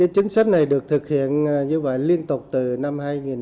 chính sách này được thực hiện như vậy liên tục từ năm hai nghìn một mươi một hai nghìn một mươi hai